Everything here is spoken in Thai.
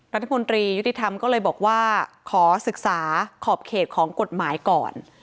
รัฐมนตรียุติธรรมก็เลยบอกว่าขอศึกษาขอบเขตของกฎหมายก่อน